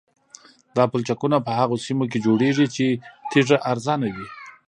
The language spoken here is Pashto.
دا پلچکونه په هغه سیمو کې جوړیږي چې تیږه ارزانه وي